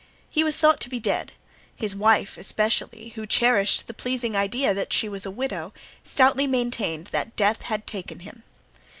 He was thought to be dead; his wife, especially, who cherished the pleasing idea that she was a widow, stoutly maintained that death had taken him.